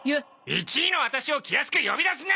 １位のワタシを気安く呼び出すな！